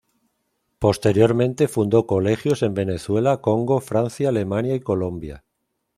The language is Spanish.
Posteriormente fundó colegios en Venezuela, Congo, Francia, Alemania y Colombia.